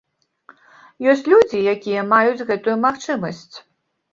Ёсць людзі, якія маюць гэтую магчымасць.